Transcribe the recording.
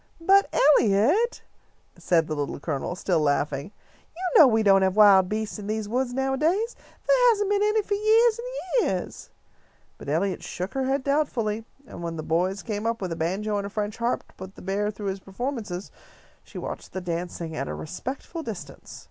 "But, Eliot," said the Little Colonel, still laughing, "you know we don't have wild beasts in these woods nowadays. There hasn't been any for yeahs and yeahs." But Eliot shook her head doubtfully, and when the boys came up with a banjo and French harp to put the bear through his performances, she watched the dancing at a respectful distance.